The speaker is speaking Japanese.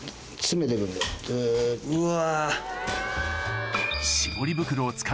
うわ。